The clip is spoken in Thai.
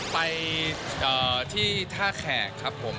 ไปที่ท่าแขกครับผม